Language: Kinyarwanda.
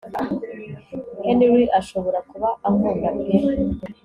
Henry ashobora kuba ankunda pe